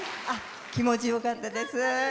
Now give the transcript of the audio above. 気持ちよかったです。